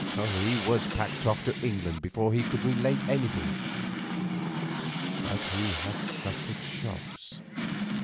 He was packed off to England before he could relate anything. But he had suffered shocks.